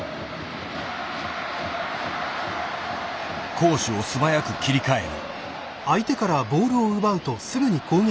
攻守を素早く切り替える。